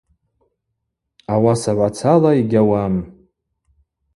Ауасагӏвацала йгьауам.